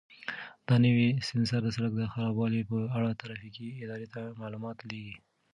دا نوی سینسر د سړک د خرابوالي په اړه ترافیکي ادارې ته معلومات لېږي.